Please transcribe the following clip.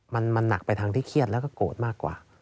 มันหนักไปทางที่เครียดแล้วก็โกรธมากกว่า